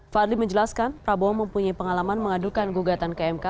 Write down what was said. fadli menjelaskan prabowo mempunyai pengalaman mengadukan gugatan ke mk